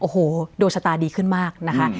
โอ้โหดวงชะตาดีขึ้นมากนะคะ